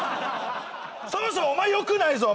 そもそもお前よくないぞ！